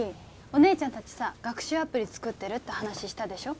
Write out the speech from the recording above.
お姉ちゃん達さ学習アプリ作ってるって話したでしょ？